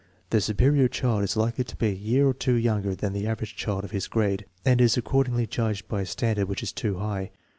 The superior child is likely to be a year or two younger than the average child of his grade, and is ac cordingly judged by a standard which is too high.